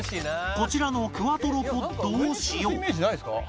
こちらのクワトロポッドを使用